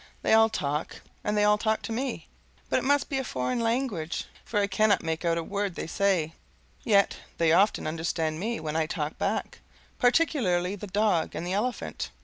They all talk, and they all talk to me, but it must be a foreign language, for I cannot make out a word they say; yet they often understand me when I talk back, particularly the dog and the elephant.